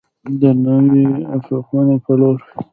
د نویو افقونو په لور.